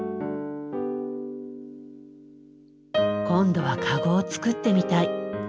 今度はかごを作ってみたい。